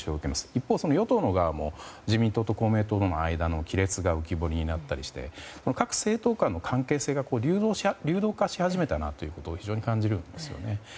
一方、与党の側も自民党と公明党との間の亀裂が浮き彫りになったりして各政党間の関係性が流動化し始めたなということを非常に感じるんですよね。